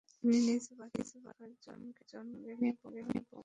তিনি নিজ বাড়িতে কয়েকজনকে সঙ্গে নিয়ে বোমা তৈরি করছিলেন বলে পুলিশ জানিয়েছে।